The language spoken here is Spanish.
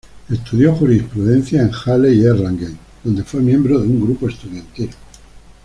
Estudió jurisprudencia en Halle y Erlangen, donde fue miembro de un grupo estudiantil.